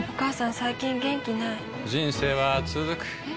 最近元気ない人生はつづくえ？